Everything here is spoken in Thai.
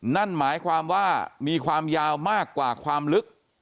นั่นหมายความว่ามีความยาวมากกว่าความลึก